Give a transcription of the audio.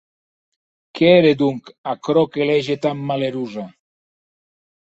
Qué ère, donc, aquerò que la hège tan malerosa?